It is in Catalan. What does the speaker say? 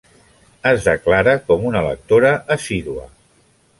Es declara com una lectora assídua.